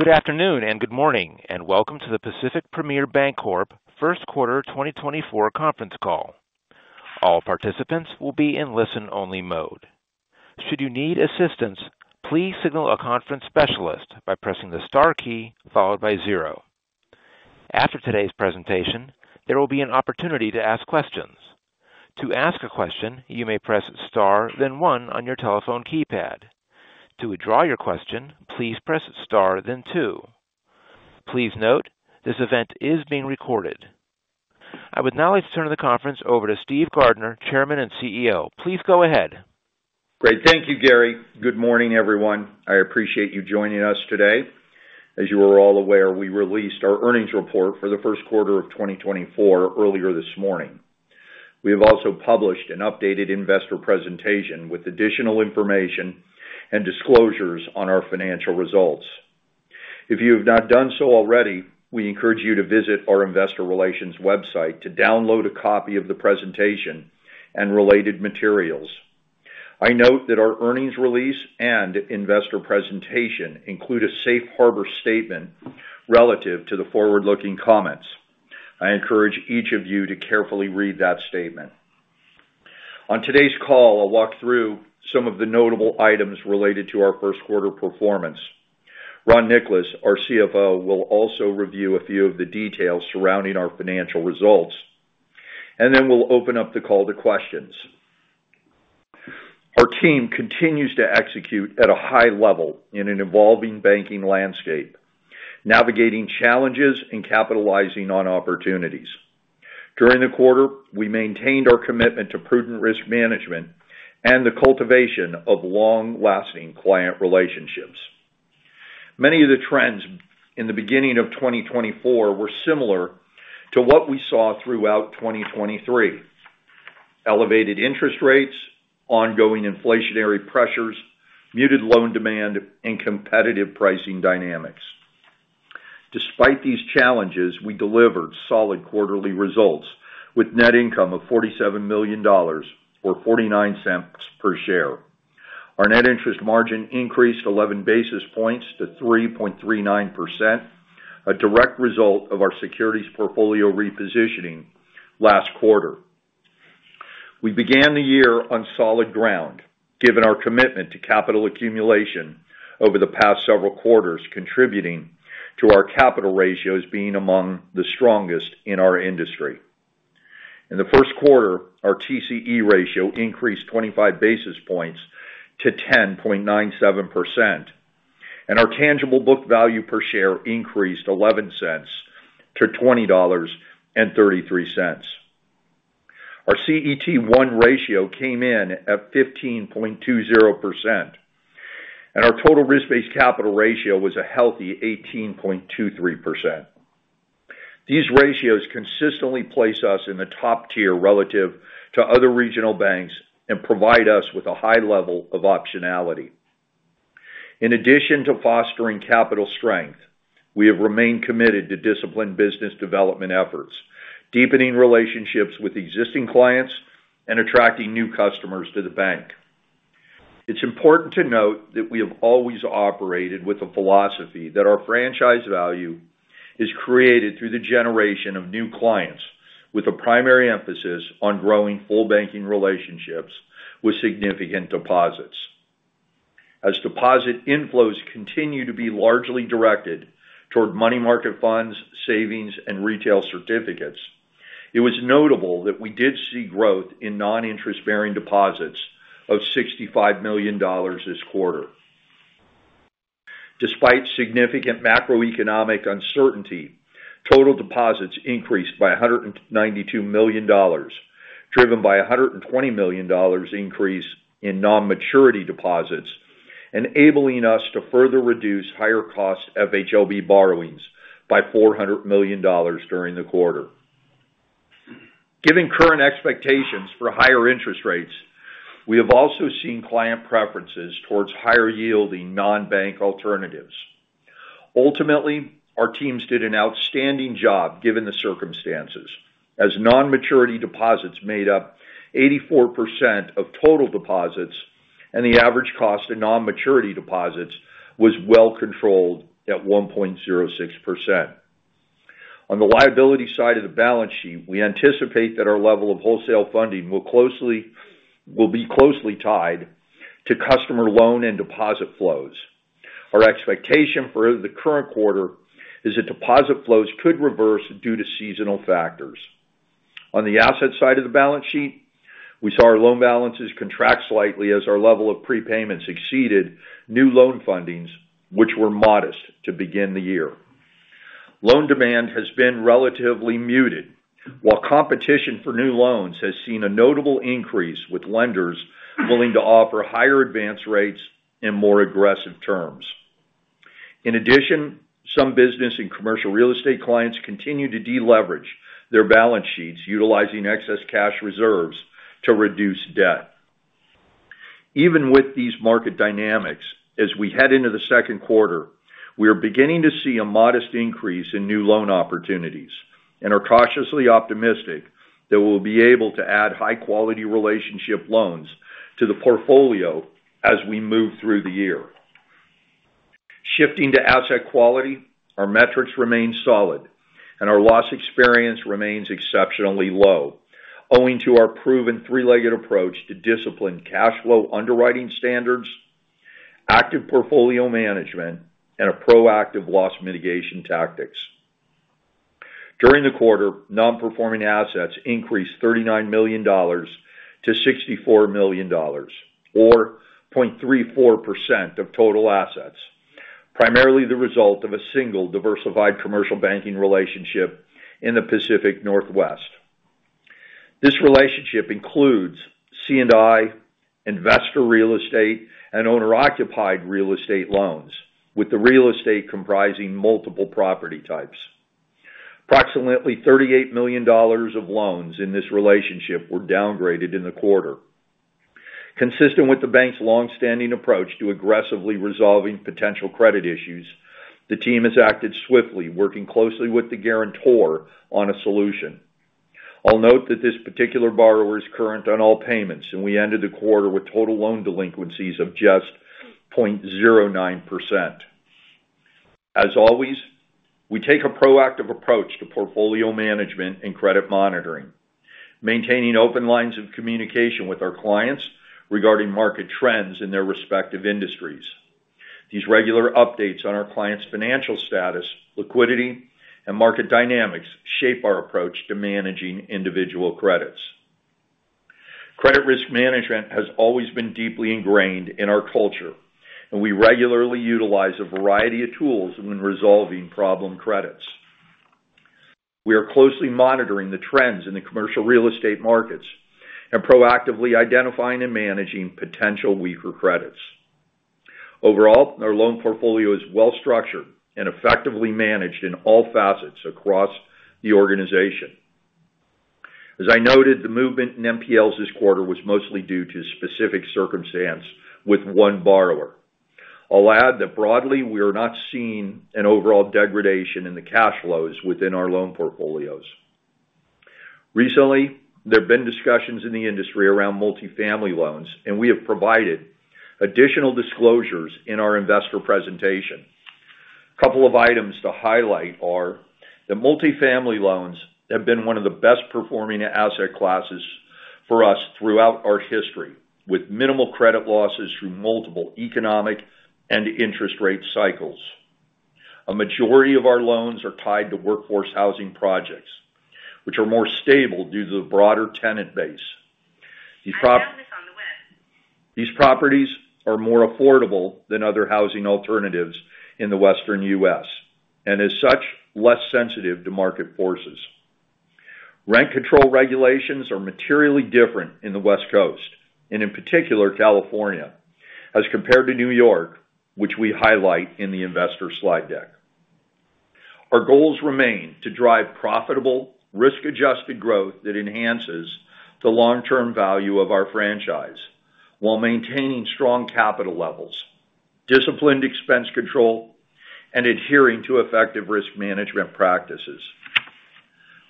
Good afternoon and good morning, and welcome to the Pacific Premier Bancorp first quarter 2024 conference call. All participants will be in listen-only mode. Should you need assistance, please signal a conference specialist by pressing the star key followed by zero. After today's presentation, there will be an opportunity to ask questions. To ask a question, you may press star then one on your telephone keypad. To withdraw your question, please press star then two. Please note, this event is being recorded. I would now like to turn the conference over to Steve Gardner, Chairman and CEO. Please go ahead. Great. Thank you, Gary. Good morning, everyone. I appreciate you joining us today. As you are all aware, we released our earnings report for the first quarter of 2024 earlier this morning. We have also published an updated investor presentation with additional information and disclosures on our financial results. If you have not done so already, we encourage you to visit our investor relations website to download a copy of the presentation and related materials. I note that our earnings release and investor presentation include a safe harbor statement relative to the forward-looking comments. I encourage each of you to carefully read that statement. On today's call, I'll walk through some of the notable items related to our first quarter performance. Ron Nicolas, our CFO, will also review a few of the details surrounding our financial results, and then we'll open up the call to questions. Our team continues to execute at a high level in an evolving banking landscape, navigating challenges and capitalizing on opportunities. During the quarter, we maintained our commitment to prudent risk management and the cultivation of long-lasting client relationships. Many of the trends in the beginning of 2024 were similar to what we saw throughout 2023: elevated interest rates, ongoing inflationary pressures, muted loan demand, and competitive pricing dynamics. Despite these challenges, we delivered solid quarterly results with net income of $47 million or $0.49 per share. Our net interest margin increased 11 basis points to 3.39%, a direct result of our securities portfolio repositioning last quarter. We began the year on solid ground, given our commitment to capital accumulation over the past several quarters, contributing to our capital ratios being among the strongest in our industry. In the first quarter, our TCE ratio increased 25 basis points to 10.97%, and our tangible book value per share increased $0.11 to $20.33. Our CET1 ratio came in at 15.20%, and our total risk-based capital ratio was a healthy 18.23%. These ratios consistently place us in the top tier relative to other regional banks and provide us with a high level of optionality. In addition to fostering capital strength, we have remained committed to disciplined business development efforts, deepening relationships with existing clients, and attracting new customers to the bank. It's important to note that we have always operated with the philosophy that our franchise value is created through the generation of new clients, with a primary emphasis on growing full banking relationships with significant deposits. As deposit inflows continue to be largely directed toward money market funds, savings, and retail certificates, it was notable that we did see growth in non-interest-bearing deposits of $65 million this quarter. Despite significant macroeconomic uncertainty, total deposits increased by $192 million, driven by a $120 million increase in non-maturity deposits, enabling us to further reduce higher cost FHLB borrowings by $400 million during the quarter. Given current expectations for higher interest rates, we have also seen client preferences towards higher-yielding non-bank alternatives. Ultimately, our teams did an outstanding job given the circumstances, as non-maturity deposits made up 84% of total deposits, and the average cost of non-maturity deposits was well-controlled at 1.06%. On the liability side of the balance sheet, we anticipate that our level of wholesale funding will be closely tied to customer loan and deposit flows. Our expectation for the current quarter is that deposit flows could reverse due to seasonal factors. On the asset side of the balance sheet, we saw our loan balances contract slightly as our level of prepayments exceeded new loan fundings, which were modest to begin the year. Loan demand has been relatively muted, while competition for new loans has seen a notable increase with lenders willing to offer higher advance rates and more aggressive terms. In addition, some business and commercial real estate clients continue to deleverage their balance sheets, utilizing excess cash reserves to reduce debt. Even with these market dynamics, as we head into the second quarter, we are beginning to see a modest increase in new loan opportunities, and are cautiously optimistic that we'll be able to add high-quality relationship loans to the portfolio as we move through the year. Shifting to asset quality, our metrics remain solid, and our loss experience remains exceptionally low, owing to our proven three-legged approach to disciplined cash flow underwriting standards, active portfolio management, and proactive loss mitigation tactics. During the quarter, non-performing assets increased $39 million to $64 million, or 0.34% of total assets, primarily the result of a single diversified commercial banking relationship in the Pacific Northwest. This relationship includes C&I, investor real estate, and owner-occupied real estate loans, with the real estate comprising multiple property types. Approximately $38 million of loans in this relationship were downgraded in the quarter. Consistent with the bank's longstanding approach to aggressively resolving potential credit issues, the team has acted swiftly, working closely with the guarantor on a solution. I'll note that this particular borrower is current on all payments, and we ended the quarter with total loan delinquencies of just 0.09%. As always, we take a proactive approach to portfolio management and credit monitoring, maintaining open lines of communication with our clients regarding market trends in their respective industries. These regular updates on our clients' financial status, liquidity, and market dynamics shape our approach to managing individual credits. Credit risk management has always been deeply ingrained in our culture, and we regularly utilize a variety of tools when resolving problem credits. We are closely monitoring the trends in the commercial real estate markets and proactively identifying and managing potential weaker credits. Overall, our loan portfolio is well-structured and effectively managed in all facets across the organization. As I noted, the movement in MPL's this quarter was mostly due to a specific circumstance with one borrower. I'll add that, broadly, we are not seeing an overall degradation in the cash flows within our loan portfolios. Recently, there have been discussions in the industry around multifamily loans, and we have provided additional disclosures in our investor presentation. A couple of items to highlight are that multifamily loans have been one of the best-performing asset classes for us throughout our history, with minimal credit losses through multiple economic and interest rate cycles. A majority of our loans are tied to workforce housing projects, which are more stable due to the broader tenant base. These properties are more affordable than other housing alternatives in the Western U.S. and, as such, less sensitive to market forces. Rent control regulations are materially different in the West Coast and, in particular, California as compared to New York, which we highlight in the investor slide deck. Our goals remain to drive profitable, risk-adjusted growth that enhances the long-term value of our franchise while maintaining strong capital levels, disciplined expense control, and adhering to effective risk management practices.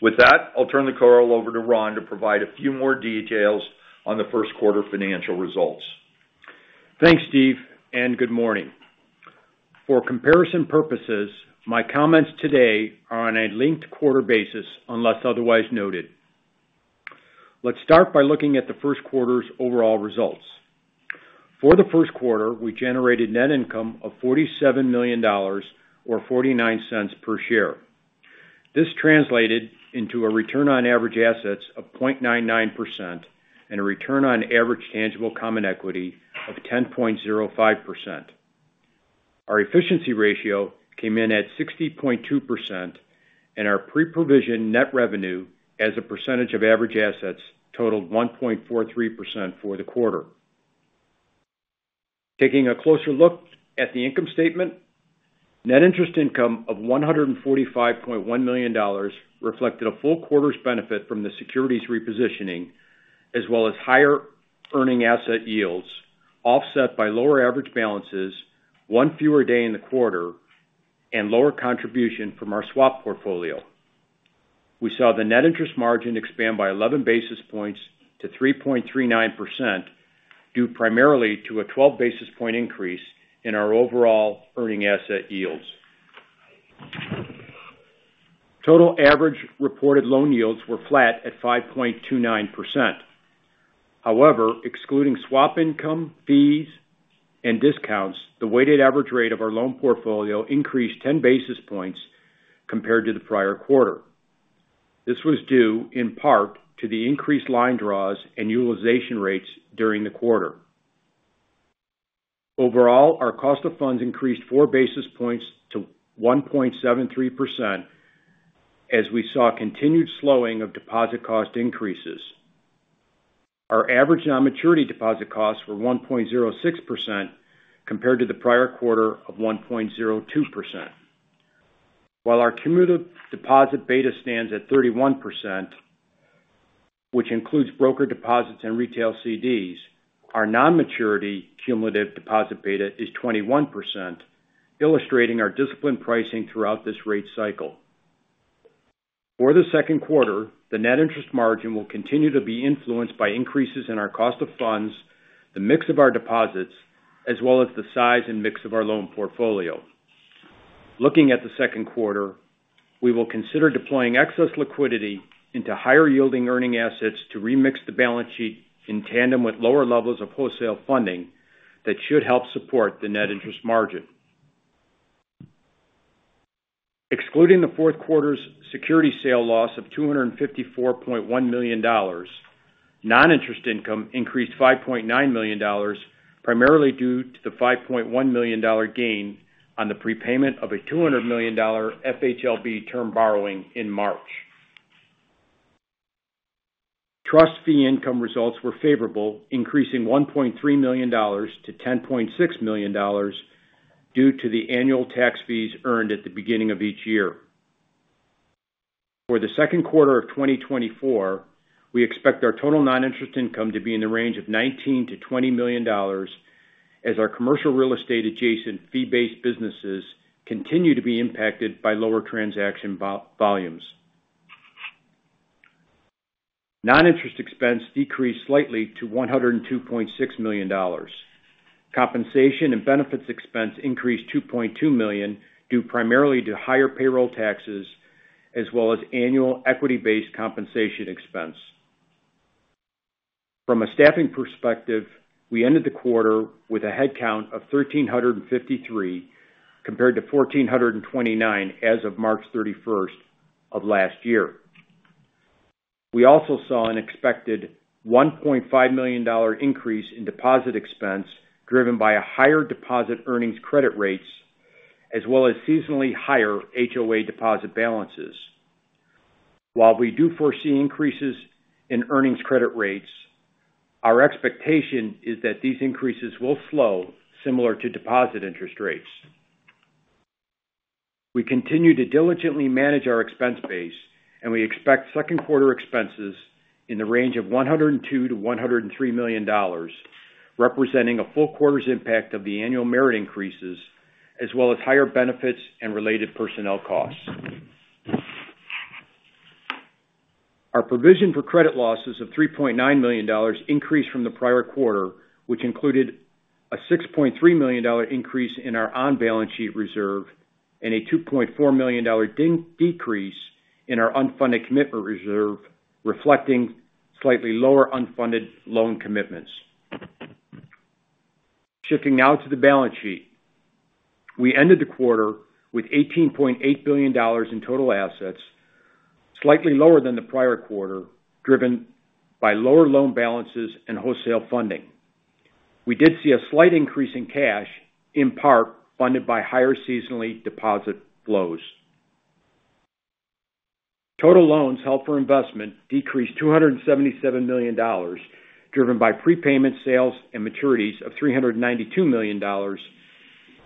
With that, I'll turn the call over to Ron to provide a few more details on the first quarter financial results. Thanks, Steve, and good morning. For comparison purposes, my comments today are on a linked quarter basis unless otherwise noted. Let's start by looking at the first quarter's overall results. For the first quarter, we generated net income of $47 million or $0.49 per share. This translated into a return on average assets of 0.99% and a return on average tangible common equity of 10.05%. Our efficiency ratio came in at 60.2%, and our pre-provision net revenue as a percentage of average assets totaled 1.43% for the quarter. Taking a closer look at the income statement, net interest income of $145.1 million reflected a full quarter's benefit from the securities repositioning as well as higher earning asset yields offset by lower average balances, one fewer day in the quarter, and lower contribution from our swap portfolio. We saw the net interest margin expand by 11 basis points to 3.39% due primarily to a 12-basis-point increase in our overall earning asset yields. Total average reported loan yields were flat at 5.29%. However, excluding swap income, fees, and discounts, the weighted average rate of our loan portfolio increased 10 basis points compared to the prior quarter. This was due in part to the increased line draws and utilization rates during the quarter. Overall, our cost of funds increased 4 basis points to 1.73% as we saw continued slowing of deposit cost increases. Our average non-maturity deposit costs were 1.06% compared to the prior quarter of 1.02%. While our cumulative deposit beta stands at 31%, which includes broker deposits and retail CDs, our non-maturity cumulative deposit beta is 21%, illustrating our disciplined pricing throughout this rate cycle. For the second quarter, the net interest margin will continue to be influenced by increases in our cost of funds, the mix of our deposits, as well as the size and mix of our loan portfolio. Looking at the second quarter, we will consider deploying excess liquidity into higher-yielding earning assets to remix the balance sheet in tandem with lower levels of wholesale funding that should help support the net interest margin. Excluding the fourth quarter's securities sale loss of $254.1 million, non-interest income increased $5.9 million primarily due to the $5.1 million gain on the prepayment of a $200 million FHLB term borrowing in March. Trust fee income results were favorable, increasing $1.3 million to $10.6 million due to the annual tax fees earned at the beginning of each year. For the second quarter of 2024, we expect our total non-interest income to be in the range of $19 million-$20 million as our commercial real estate-adjacent fee-based businesses continue to be impacted by lower transaction volumes. Non-interest expense decreased slightly to $102.6 million. Compensation and benefits expense increased $2.2 million due primarily to higher payroll taxes as well as annual equity-based compensation expense. From a staffing perspective, we ended the quarter with a headcount of 1,353 compared to 1,429 as of March 31st of last year. We also saw an expected $1.5 million increase in deposit expense driven by higher deposit earnings credit rates as well as seasonally higher HOA deposit balances. While we do foresee increases in earnings credit rates, our expectation is that these increases will slow similar to deposit interest rates. We continue to diligently manage our expense base, and we expect second quarter expenses in the range of $102 million-$103 million, representing a full quarter's impact of the annual merit increases as well as higher benefits and related personnel costs. Our provision for credit losses of $3.9 million increased from the prior quarter, which included a $6.3 million increase in our on-balance sheet reserve and a $2.4 million decrease in our unfunded commitment reserve, reflecting slightly lower unfunded loan commitments. Shifting now to the balance sheet, we ended the quarter with $18.8 billion in total assets, slightly lower than the prior quarter driven by lower loan balances and wholesale funding. We did see a slight increase in cash, in part funded by higher seasonal deposit flows. Total loans held for investment decreased $277 million driven by prepayment sales and maturities of $392 million,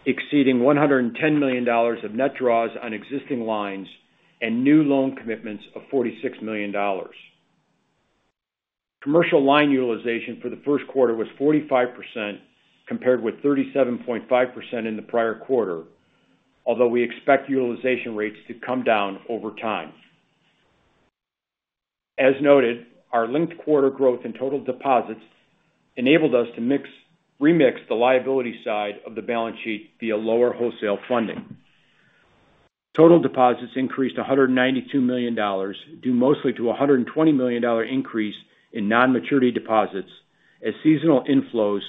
exceeding $110 million of net draws on existing lines and new loan commitments of $46 million. Commercial line utilization for the first quarter was 45% compared with 37.5% in the prior quarter, although we expect utilization rates to come down over time. As noted, our linked quarter growth in total deposits enabled us to remix the liability side of the balance sheet via lower wholesale funding. Total deposits increased $192 million due mostly to a $120 million increase in non-maturity deposits as seasonal inflows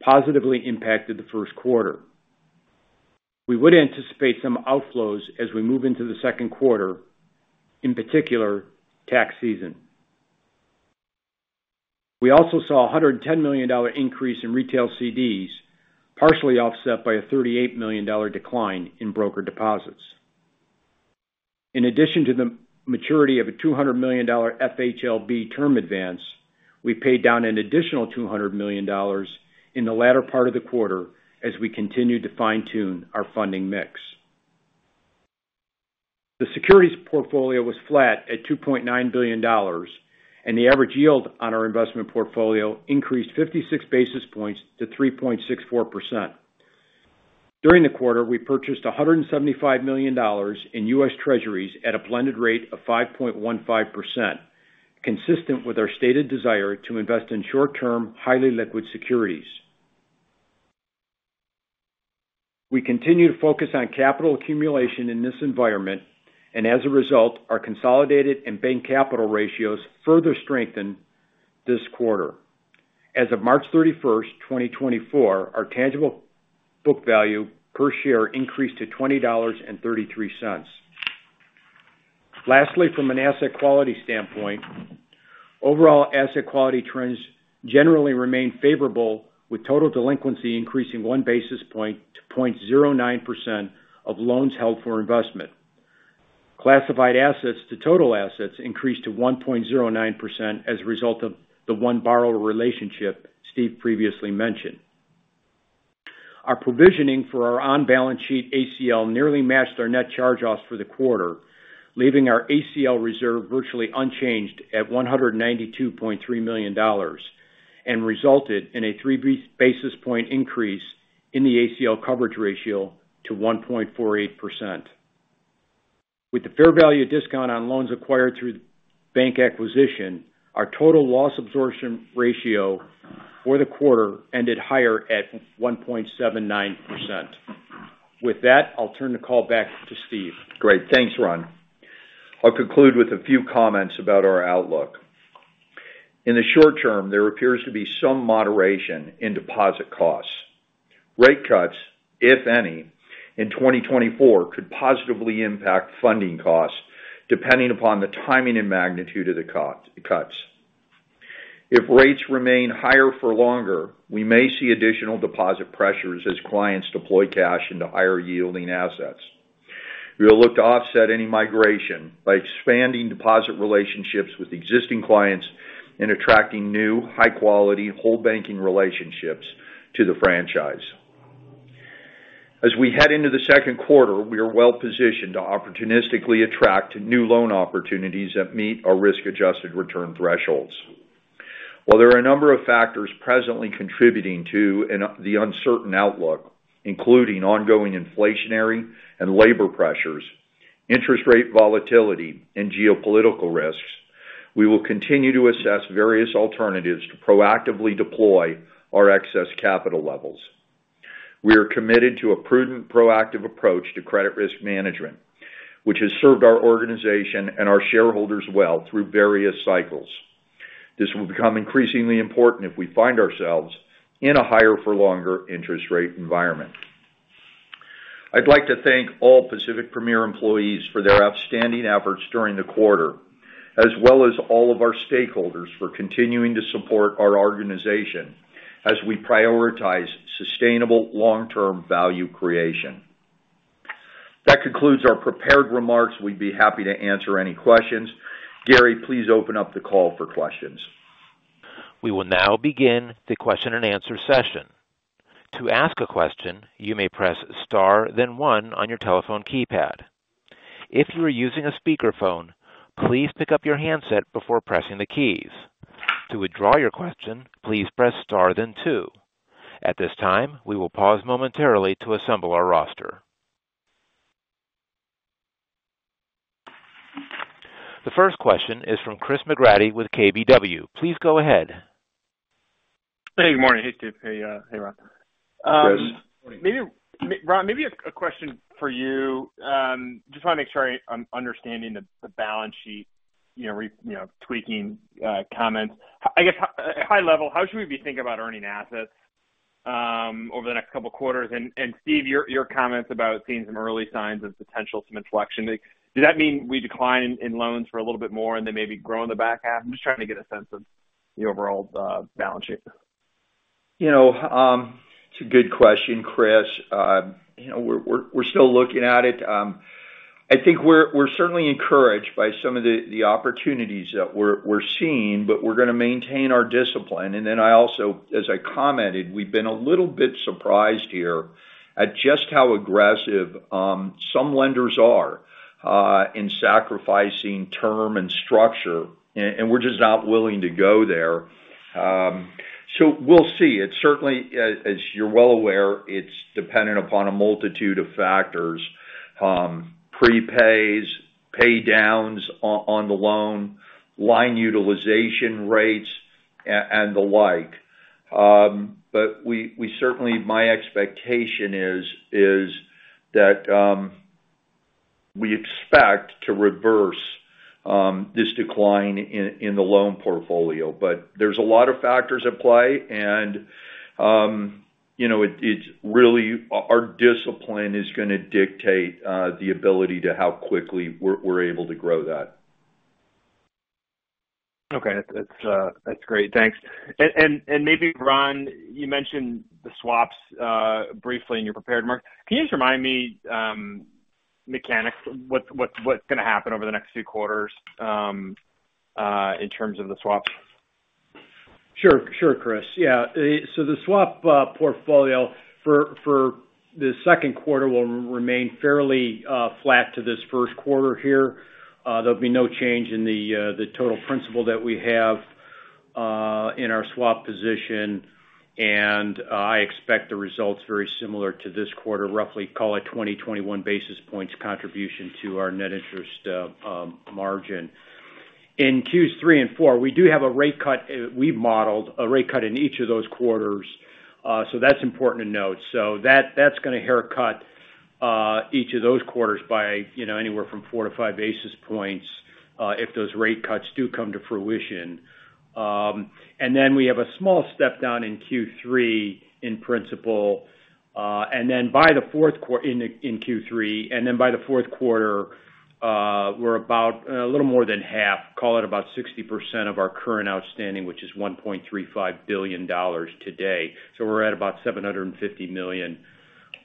positively impacted the first quarter. We would anticipate some outflows as we move into the second quarter, in particular tax season. We also saw a $110 million increase in retail CDs, partially offset by a $38 million decline in broker deposits. In addition to the maturity of a $200 million FHLB term advance, we paid down an additional $200 million in the latter part of the quarter as we continue to fine-tune our funding mix. The securities portfolio was flat at $2.9 billion, and the average yield on our investment portfolio increased 56 basis points to 3.64%. During the quarter, we purchased $175 million in US Treasuries at a blended rate of 5.15%, consistent with our stated desire to invest in short-term, highly liquid securities. We continue to focus on capital accumulation in this environment, and as a result, our consolidated and bank capital ratios further strengthened this quarter. As of March 31st, 2024, our tangible book value per share increased to $20.33. Lastly, from an asset quality standpoint, overall asset quality trends generally remain favorable, with total delinquency increasing one basis point to 0.09% of loans held for investment. Classified assets to total assets increased to 1.09% as a result of the one-borrower relationship Steve previously mentioned. Our provisioning for our on-balance sheet ACL nearly matched our net charge-offs for the quarter, leaving our ACL reserve virtually unchanged at $192.3 million and resulted in a three basis points increase in the ACL coverage ratio to 1.48%. With the fair value discount on loans acquired through bank acquisition, our total loss absorption ratio for the quarter ended higher at 1.79%. With that, I'll turn the call back to Steve. Great. Thanks, Ron. I'll conclude with a few comments about our outlook. In the short term, there appears to be some moderation in deposit costs. Rate cuts, if any, in 2024 could positively impact funding costs depending upon the timing and magnitude of the cuts. If rates remain higher for longer, we may see additional deposit pressures as clients deploy cash into higher-yielding assets. We will look to offset any migration by expanding deposit relationships with existing clients and attracting new, high-quality, whole banking relationships to the franchise. As we head into the second quarter, we are well-positioned to opportunistically attract new loan opportunities that meet our risk-adjusted return thresholds. While there are a number of factors presently contributing to the uncertain outlook, including ongoing inflationary and labor pressures, interest rate volatility, and geopolitical risks, we will continue to assess various alternatives to proactively deploy our excess capital levels. We are committed to a prudent, proactive approach to credit risk management, which has served our organization and our shareholders well through various cycles. This will become increasingly important if we find ourselves in a higher-for-longer interest rate environment. I'd like to thank all Pacific Premier employees for their outstanding efforts during the quarter, as well as all of our stakeholders for continuing to support our organization as we prioritize sustainable, long-term value creation. That concludes our prepared remarks. We'd be happy to answer any questions. Gary, please open up the call for questions. We will now begin the question-and-answer session. To ask a question, you may press star then one on your telephone keypad. If you are using a speakerphone, please pick up your handset before pressing the keys. To withdraw your question, please press star then two. At this time, we will pause momentarily to assemble our roster. The first question is from Chris McGratty with KBW. Please go ahead. Hey. Good morning. Hey, Steve. Hey, Ron. Yes, good morning. Ron, maybe a question for you. Just want to make sure I'm understanding the balance sheet, tweaking comments. I guess, high level, how should we be thinking about earning assets over the next couple of quarters? And Steve, your comments about seeing some early signs of potential some inflection, does that mean we decline in loans for a little bit more and they may be growing the back half? I'm just trying to get a sense of the overall balance sheet. It's a good question, Chris. We're still looking at it. I think we're certainly encouraged by some of the opportunities that we're seeing, but we're going to maintain our discipline. And then I also, as I commented, we've been a little bit surprised here at just how aggressive some lenders are in sacrificing term and structure, and we're just not willing to go there. So we'll see. Certainly, as you're well aware, it's dependent upon a multitude of factors: prepays, paydowns on the loan, line utilization rates, and the like. But my expectation is that we expect to reverse this decline in the loan portfolio. But there's a lot of factors at play, and our discipline is going to dictate the ability to how quickly we're able to grow that. Okay. That's great. Thanks. And maybe, Ron, you mentioned the swaps briefly in your prepared remarks. Can you just remind me, mechanics, what's going to happen over the next few quarters in terms of the swaps? Sure, Chris. Yeah. So the swap portfolio for the second quarter will remain fairly flat to this first quarter here. There'll be no change in the total principal that we have in our swap position, and I expect the results very similar to this quarter, roughly call it 20-21 basis points contribution to our net interest margin. In Q3 and Q4, we do have a rate cut we modeled, a rate cut in each of those quarters, so that's important to note. So that's going to haircut each of those quarters by anywhere from 4-5 basis points if those rate cuts do come to fruition. And then we have a small step down in Q3 in principal. And then by the fourth, in Q3, and then by the fourth quarter, we're about a little more than half, call it about 60% of our current outstanding, which is $1.35 billion today. So we're at about $750 million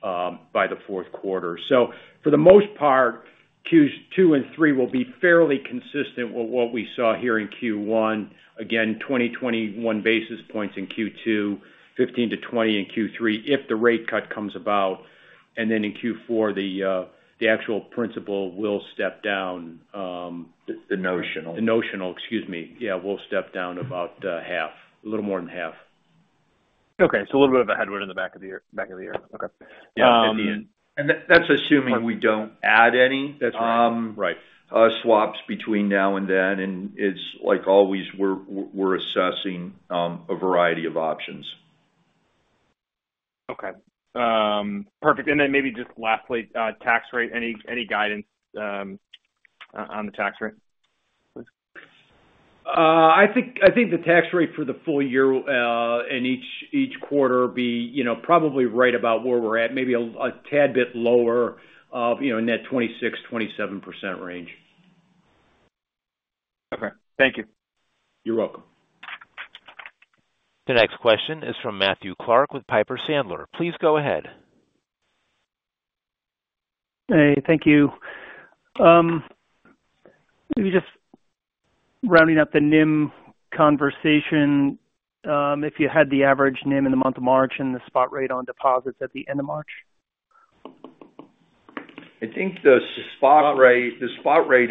by the fourth quarter. So for the most part, Q2 and Q3 will be fairly consistent with what we saw here in Q1, again, 20-21 basis points in Q2, 15-20 in Q3 if the rate cut comes about. And then in Q4, the actual principal will step down. The notional. The notional, excuse me. Yeah, will step down about half, a little more than half. Okay. So a little bit of a headwind in the back of the year. Okay. Yeah. At the end. That's assuming we don't add any swaps between now and then. It's like always, we're assessing a variety of options. Okay. Perfect. And then maybe just lastly, tax rate, any guidance on the tax rate, please? I think the tax rate for the full year in each quarter would be probably right about where we're at, maybe a tad bit lower in that 26%-27% range. Okay. Thank you. You're welcome. The next question is from Matthew Clark with Piper Sandler. Please go ahead. Hey. Thank you. Maybe just rounding up the NIM conversation, if you had the average NIM in the month of March and the spot rate on deposits at the end of March? I think the spot rate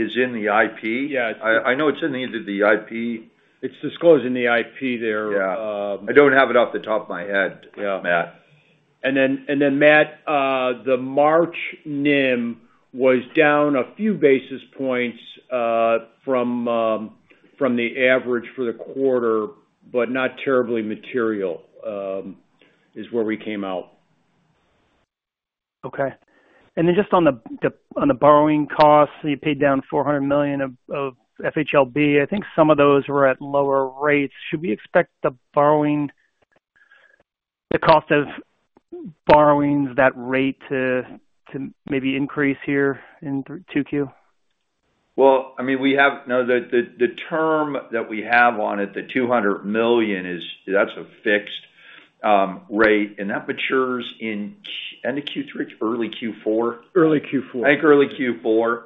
is in the IP. I know it's in either the IP. It's disclosed in the IP there. Yeah. I don't have it off the top of my head, Matt. And then, Matt, the March NIM was down a few basis points from the average for the quarter, but not terribly material, is where we came out. Okay. And then just on the borrowing costs, you paid down $400 million of FHLB. I think some of those were at lower rates. Should we expect the cost of borrowings, that rate, to maybe increase here in 2Q? Well, I mean, the term that we have on it, the $200 million, that's a fixed rate, and that matures in end of Q3, early Q4. Early Q4. I think early Q4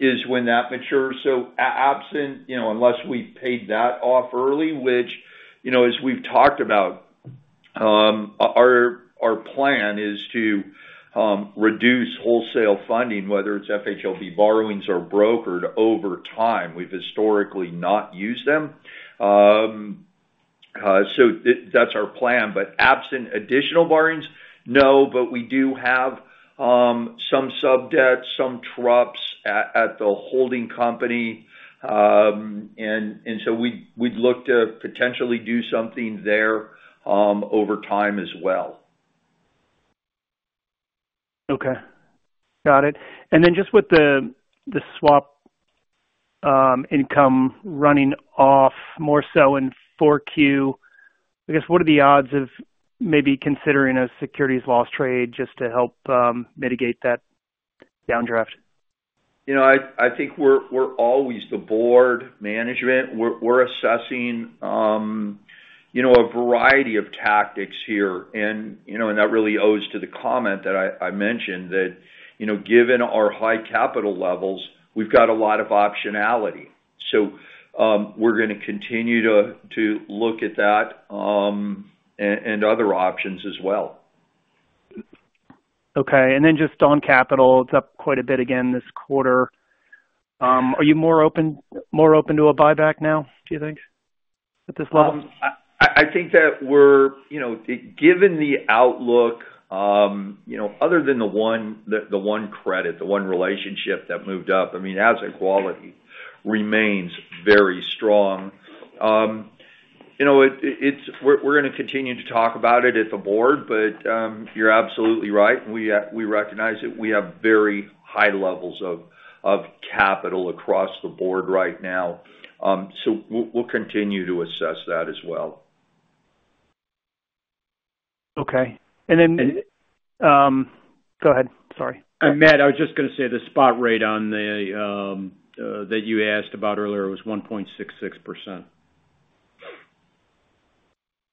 is when that matures. So absent unless we paid that off early, which, as we've talked about, our plan is to reduce wholesale funding, whether it's FHLB borrowings or brokered, over time. We've historically not used them. So that's our plan. But absent additional borrowings, no, but we do have some sub-debts, some TruPS at the holding company. And so we'd look to potentially do something there over time as well. Okay. Got it. And then just with the swap income running off more so in 4Q, I guess, what are the odds of maybe considering a securities loss trade just to help mitigate that downdraft? I think we're always the board management. We're assessing a variety of tactics here, and that really owes to the comment that I mentioned, that given our high capital levels, we've got a lot of optionality. So we're going to continue to look at that and other options as well. Okay. And then just on capital, it's up quite a bit again this quarter. Are you more open to a buyback now, do you think, at this level? I think that we're given the outlook, other than the one credit, the one relationship that moved up, I mean, asset quality remains very strong. We're going to continue to talk about it at the board, but you're absolutely right. We recognize that we have very high levels of capital across the board right now. We'll continue to assess that as well. Okay. And then go ahead. Sorry. Matt, I was just going to say the spot rate that you asked about earlier was 1.66%.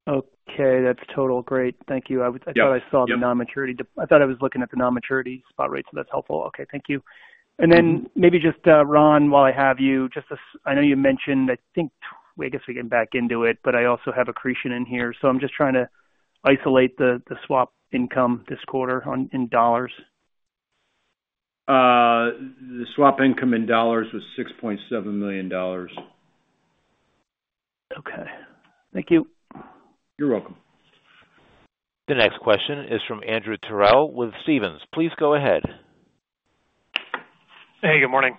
Okay. That's total. Great. Thank you. I thought I was looking at the non-maturity spot rate, so that's helpful. Okay. Thank you. And then maybe just, Ron, while I have you, just I know you mentioned I think I guess we can back into it, but I also have accretion in here. So I'm just trying to isolate the swap income this quarter in dollars. The swap income in dollars was $6.7 million. Okay. Thank you. You're welcome. The next question is from Andrew Terrell with Stephens. Please go ahead. Hey. Good morning.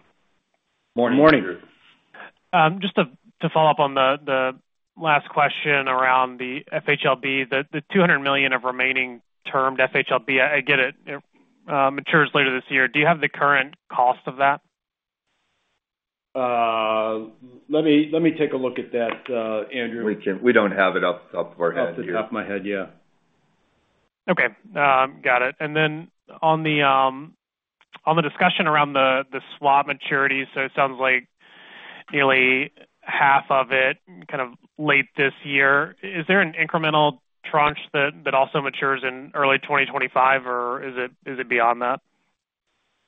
Morning. Morning. Just to follow up on the last question around the FHLB, the $200 million of remaining termed FHLB, I get it, it matures later this year. Do you have the current cost of that? Let me take a look at that, Andrew. We don't have it off the top of our head here. Off the top of my head. Yeah. Okay. Got it. And then on the discussion around the swap maturities, so it sounds like nearly half of it kind of late this year. Is there an incremental tranche that also matures in early 2025, or is it beyond that?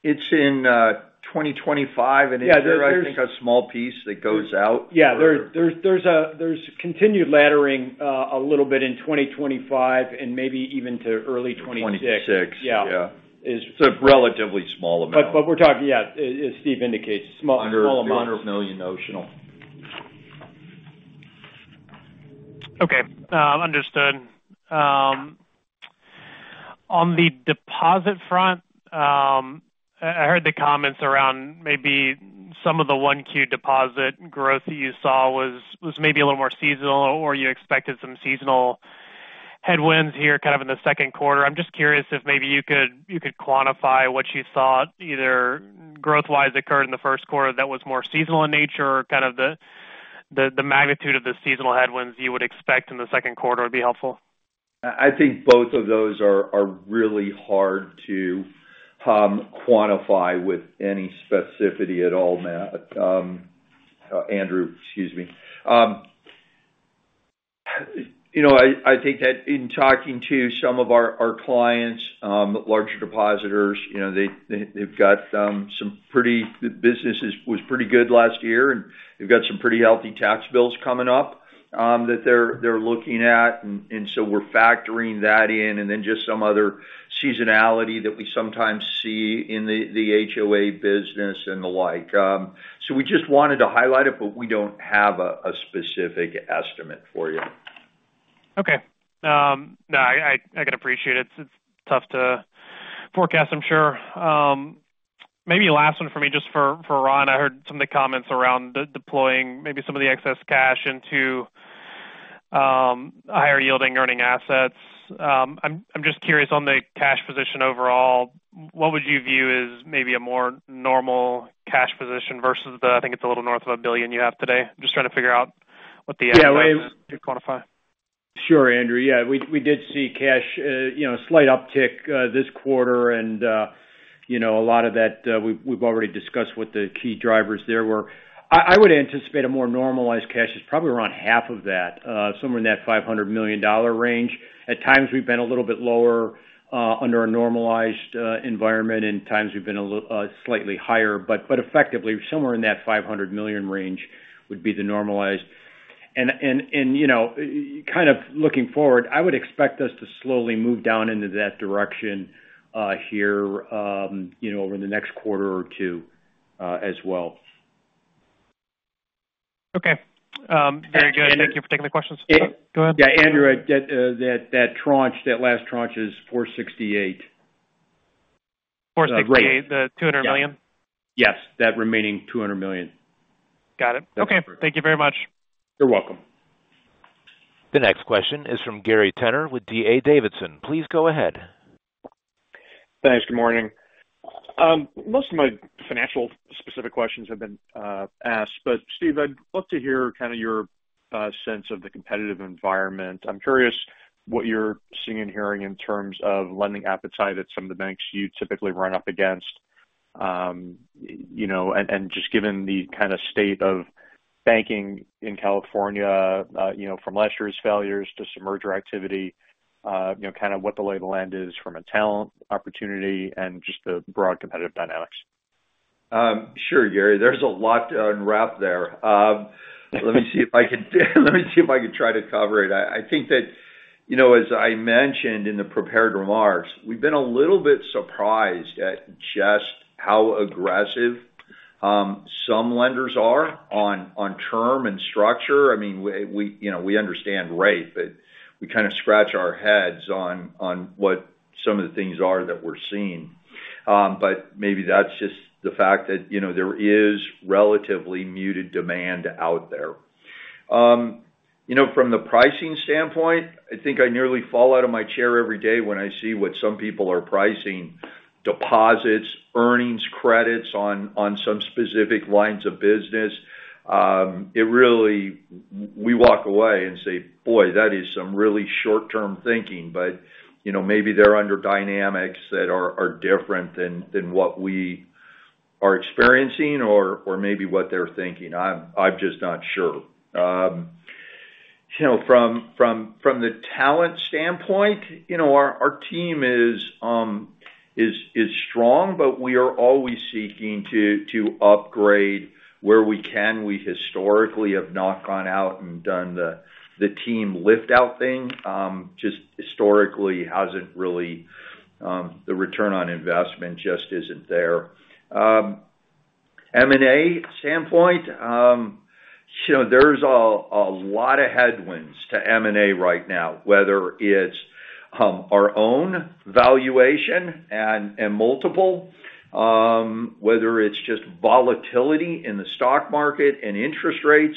It's in 2025, and it's there, I think, a small piece that goes out. Yeah. There's continued laddering a little bit in 2025 and maybe even to early 2026. 2026. Yeah. It's a relatively small amount. We're talking yeah, as Steve indicates, small amounts. Under $200 million notional. Okay. Understood. On the deposit front, I heard the comments around maybe some of the 1Q deposit growth that you saw was maybe a little more seasonal, or you expected some seasonal headwinds here kind of in the second quarter. I'm just curious if maybe you could quantify what you thought either growth-wise occurred in the first quarter that was more seasonal in nature or kind of the magnitude of the seasonal headwinds you would expect in the second quarter would be helpful. I think both of those are really hard to quantify with any specificity at all, Matt. Andrew, excuse me. I think that in talking to some of our clients, larger depositors, they've got some pretty the business was pretty good last year, and they've got some pretty healthy tax bills coming up that they're looking at. And so we're factoring that in and then just some other seasonality that we sometimes see in the HOA business and the like. So we just wanted to highlight it, but we don't have a specific estimate for you. Okay. No, I can appreciate it. It's tough to forecast, I'm sure. Maybe last one for me, just for Ron. I heard some of the comments around deploying maybe some of the excess cash into higher-yielding earning assets. I'm just curious on the cash position overall, what would you view as maybe a more normal cash position versus the I think it's a little north of $1 billion you have today. I'm just trying to figure out what the average is that you can quantify. Sure, Andrew. Yeah. We did see cash a slight uptick this quarter, and a lot of that we've already discussed what the key drivers there were. I would anticipate a more normalized cash is probably around half of that, somewhere in that $500 million range. At times, we've been a little bit lower under a normalized environment, and times we've been slightly higher, but effectively, somewhere in that $500 million range would be the normalized. And kind of looking forward, I would expect us to slowly move down into that direction here over the next quarter or two as well. Okay. Very good. Thank you for taking the questions. Go ahead. Yeah. Andrew, that last tranche is 468. 468, the $200 million? Yes. That remaining $200 million. Got it. Okay. Thank you very much. You're welcome. The next question is from Gary Tenner with D.A. Davidson. Please go ahead. Thanks. Good morning. Most of my financial-specific questions have been asked, but Steve, I'd love to hear kind of your sense of the competitive environment. I'm curious what you're seeing and hearing in terms of lending appetite at some of the banks you typically run up against. And just given the kind of state of banking in California, from last year's failures to some merger activity, kind of what the lay of the land is from a talent opportunity and just the broad competitive dynamics. Sure, Gary. There's a lot to unwrap there. Let me see if I can try to cover it. I think that, as I mentioned in the prepared remarks, we've been a little bit surprised at just how aggressive some lenders are on term and structure. I mean, we understand rate, but we kind of scratch our heads on what some of the things are that we're seeing. But maybe that's just the fact that there is relatively muted demand out there. From the pricing standpoint, I think I nearly fall out of my chair every day when I see what some people are pricing, deposits, earnings credits on some specific lines of business. We walk away and say, "Boy, that is some really short-term thinking," but maybe they're under dynamics that are different than what we are experiencing or maybe what they're thinking. I'm just not sure. From the talent standpoint, our team is strong, but we are always seeking to upgrade where we can. We historically have not gone out and done the team liftout thing. Just historically, the return on investment just isn't there. M&A standpoint, there's a lot of headwinds to M&A right now, whether it's our own valuation and multiple, whether it's just volatility in the stock market and interest rates.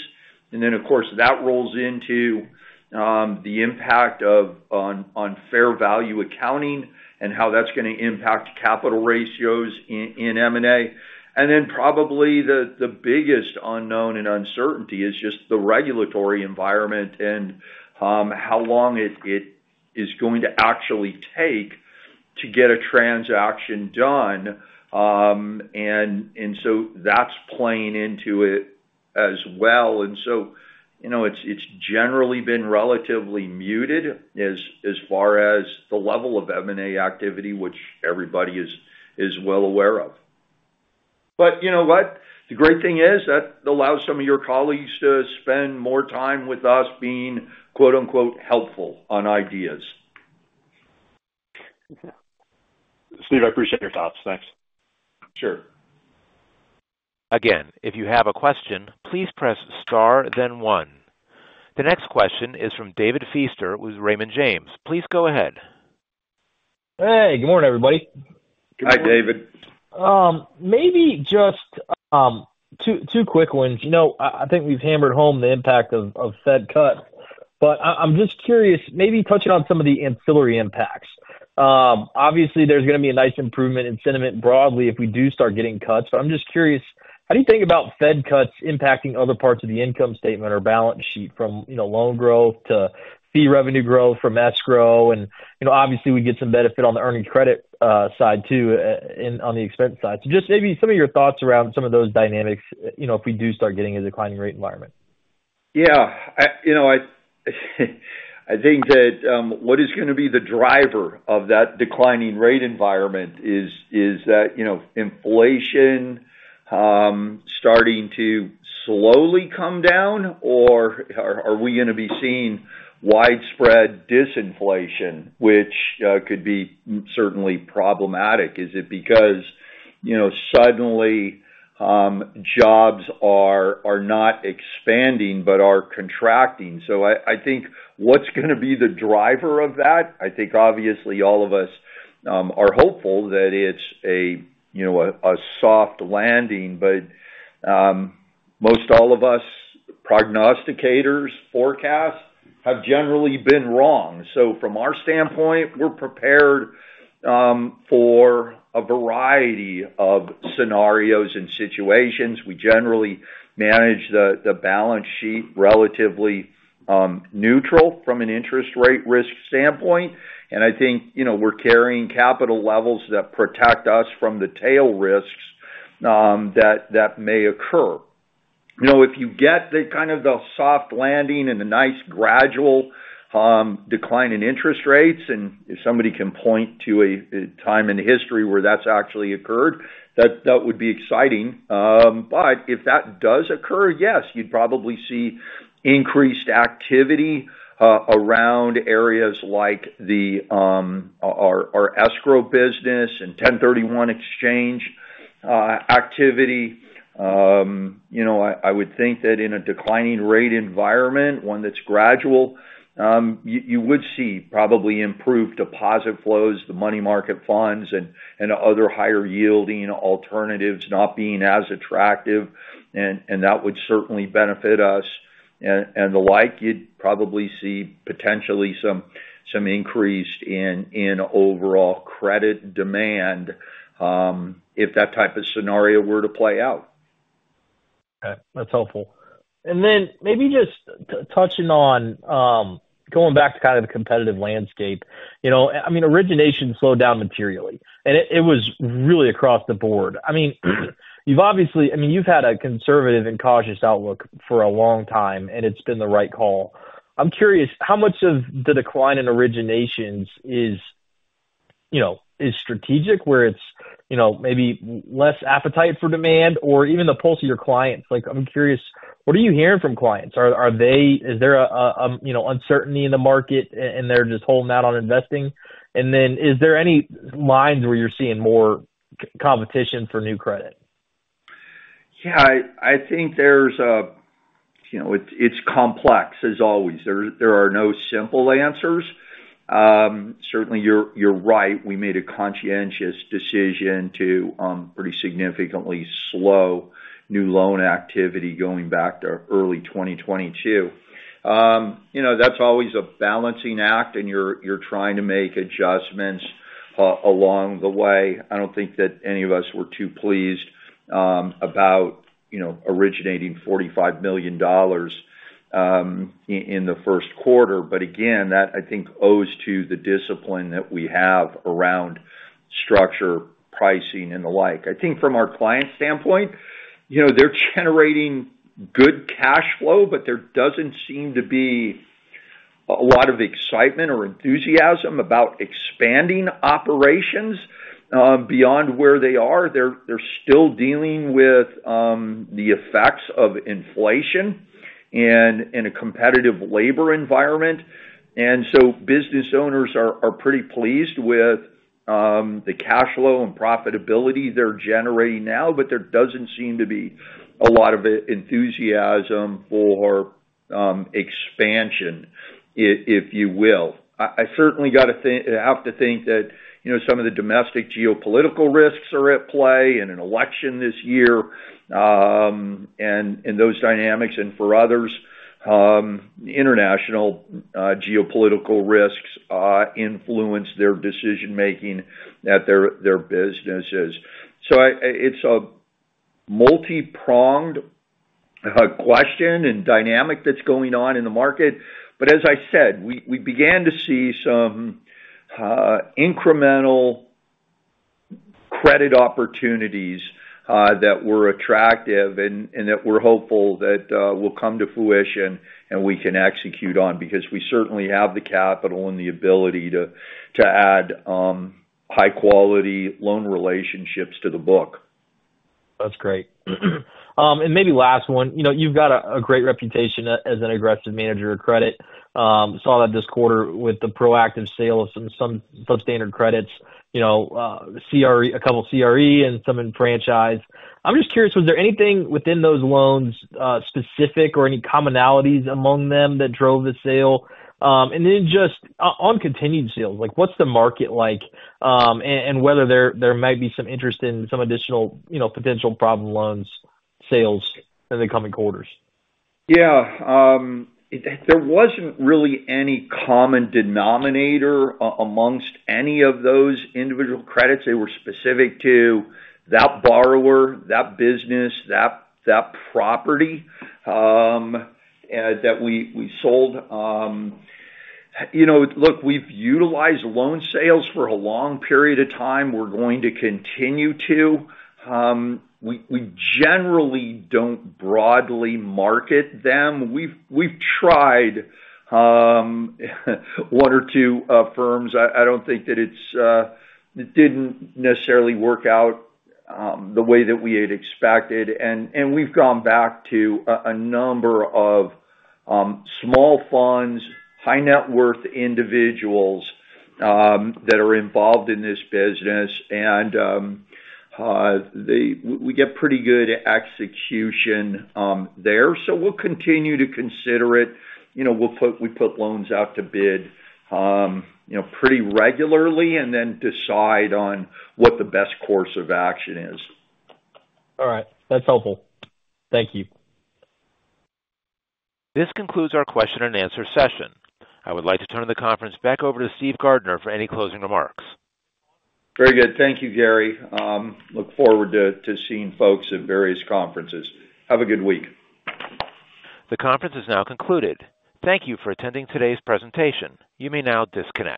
And then, of course, that rolls into the impact on fair value accounting and how that's going to impact capital ratios in M&A. And then probably the biggest unknown and uncertainty is just the regulatory environment and how long it is going to actually take to get a transaction done. And so that's playing into it as well. It's generally been relatively muted as far as the level of M&A activity, which everybody is well aware of. You know what? The great thing is that allows some of your colleagues to spend more time with us being "helpful" on ideas. Steve, I appreciate your thoughts. Thanks. Sure. Again, if you have a question, please press star, then one. The next question is from David Feaster with Raymond James. Please go ahead. Hey. Good morning, everybody. Hi, David. Maybe just two quick ones. I think we've hammered home the impact of Fed cuts, but I'm just curious, maybe touching on some of the ancillary impacts. Obviously, there's going to be a nice improvement in sentiment broadly if we do start getting cuts, but I'm just curious, how do you think about Fed cuts impacting other parts of the income statement or balance sheet, from loan growth to fee revenue growth from escrow? And obviously, we get some benefit on the earnings credit side too, on the expense side. So just maybe some of your thoughts around some of those dynamics if we do start getting a declining rate environment. Yeah. I think that what is going to be the driver of that declining rate environment is that inflation starting to slowly come down, or are we going to be seeing widespread disinflation, which could be certainly problematic? Is it because suddenly jobs are not expanding but are contracting? So I think what's going to be the driver of that? I think, obviously, all of us are hopeful that it's a soft landing, but most all of us prognosticators, forecasts, have generally been wrong. So from our standpoint, we're prepared for a variety of scenarios and situations. We generally manage the balance sheet relatively neutral from an interest rate risk standpoint, and I think we're carrying capital levels that protect us from the tail risks that may occur. If you get kind of the soft landing and the nice gradual decline in interest rates, and if somebody can point to a time in history where that's actually occurred, that would be exciting. But if that does occur, yes, you'd probably see increased activity around areas like our escrow business and 1031 exchange activity. I would think that in a declining rate environment, one that's gradual, you would see probably improved deposit flows, the money market funds, and other higher-yielding alternatives not being as attractive, and that would certainly benefit us and the like. You'd probably see potentially some increase in overall credit demand if that type of scenario were to play out. Okay. That's helpful. And then maybe just touching on, going back to kind of the competitive landscape. I mean, originations slowed down materially, and it was really across the board. I mean, you've had a conservative and cautious outlook for a long time, and it's been the right call. I'm curious, how much of the decline in originations is strategic, where it's maybe less appetite for demand or even the pulse of your clients? I'm curious, what are you hearing from clients? Is there uncertainty in the market, and they're just holding out on investing? And then is there any lines where you're seeing more competition for new credit? Yeah. I think it's complex, as always. There are no simple answers. Certainly, you're right. We made a conscientious decision to pretty significantly slow new loan activity going back to early 2022. That's always a balancing act, and you're trying to make adjustments along the way. I don't think that any of us were too pleased about originating $45 million in the first quarter. But again, that, I think, owes to the discipline that we have around structure, pricing, and the like. I think from our client standpoint, they're generating good cash flow, but there doesn't seem to be a lot of excitement or enthusiasm about expanding operations beyond where they are. They're still dealing with the effects of inflation in a competitive labor environment. And so business owners are pretty pleased with the cash flow and profitability they're generating now, but there doesn't seem to be a lot of enthusiasm for expansion, if you will. I certainly got to have to think that some of the domestic geopolitical risks are at play in an election this year and those dynamics, and for others, international geopolitical risks influence their decision-making at their businesses. So it's a multi-pronged question and dynamic that's going on in the market. But as I said, we began to see some incremental credit opportunities that were attractive and that we're hopeful that will come to fruition and we can execute on because we certainly have the capital and the ability to add high-quality loan relationships to the book. That's great. And maybe last one. You've got a great reputation as an aggressive manager of credit. Saw that this quarter with the proactive sale of some substandard credits, a couple of CRE and some in franchise. I'm just curious, was there anything within those loans specific or any commonalities among them that drove the sale? And then just on continued sales, what's the market like and whether there might be some interest in some additional potential problem loans sales in the coming quarters? Yeah. There wasn't really any common denominator amongst any of those individual credits. They were specific to that borrower, that business, that property that we sold. Look, we've utilized loan sales for a long period of time. We're going to continue to. We generally don't broadly market them. We've tried one or two firms. I don't think that it didn't necessarily work out the way that we had expected. And we've gone back to a number of small funds, high-net-worth individuals that are involved in this business, and we get pretty good execution there. So we'll continue to consider it. We put loans out to bid pretty regularly and then decide on what the best course of action is. All right. That's helpful. Thank you. This concludes our question-and-answer session. I would like to turn the conference back over to Steve Gardner for any closing remarks. Very good. Thank you, Gary. Look forward to seeing folks at various conferences. Have a good week. The conference is now concluded. Thank you for attending today's presentation. You may now disconnect.